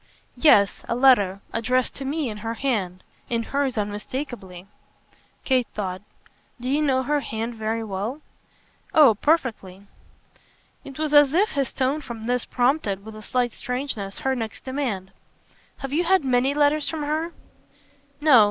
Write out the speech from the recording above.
"Yes, a letter. Addressed to me in her hand in hers unmistakeably." Kate thought. "Do you know her hand very well?" "Oh perfectly." It was as if his tone for this prompted with a slight strangeness her next demand. "Have you had many letters from her?" "No.